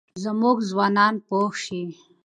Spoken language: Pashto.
زموږ ځوانان پوه شي.